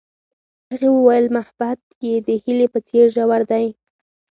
هغې وویل محبت یې د هیلې په څېر ژور دی.